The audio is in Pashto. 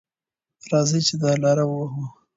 راځئ چې دا لاره ووهو.